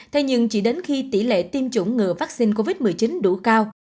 thế nhưng chỉ đến khi tỷ lệ tiêm chủng ngừa vaccine covid một mươi chín đủ cao